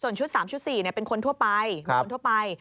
ส่วนชุด๓ชุด๔เป็นคนทั่วไป